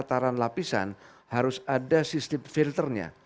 tataran lapisan harus ada sistem filternya